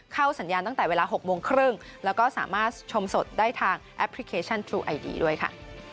เข้าสัญญาณตั้งแต่เวลาหกโมงครึ่งแล้วก็สามารถชมสดได้ทางเอ็ปปริเคชันด้วยค่ะ